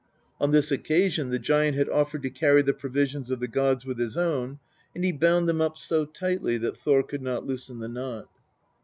On this occasion the giant had offered to carry the provisions of the gods with his own, and he bound them up so lightly that Thor could not loosen the knot.